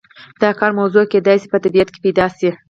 د کار موضوع کیدای شي په طبیعت کې پیدا شي.